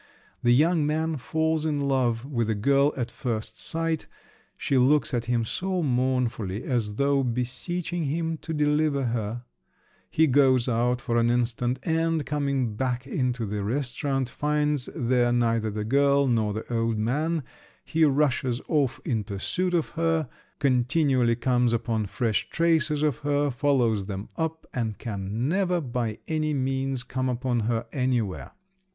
The young man falls in love with the girl at first sight; she looks at him so mournfully, as though beseeching him to deliver her…. He goes out for an instant, and, coming back into the restaurant, finds there neither the girl nor the old man; he rushes off in pursuit of her, continually comes upon fresh traces of her, follows them up, and can never by any means come upon her anywhere.